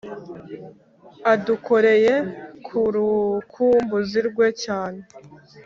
adukoreye ku rukumbuzi rwe cyane